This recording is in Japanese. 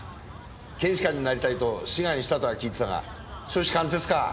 検視官になりたいと志願したとは聞いてたが初志貫徹か。